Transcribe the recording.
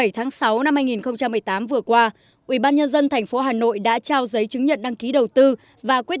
một mươi bảy tháng sáu năm hai nghìn một mươi tám vừa qua ubnd thành phố hà nội đã trao giấy chứng nhận đăng ký đầu tư và quyết